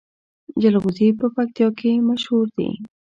جلغوزي په پکتیا کې مشهور دي